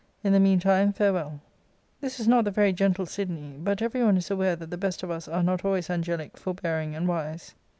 In the mean time, farewell." This is not the very gentle Sidney ; but every one is aware that the best of us are not always angelic, forbear ing, and wise.